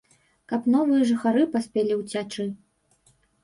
Каб новыя жыхары паспелі ўцячы.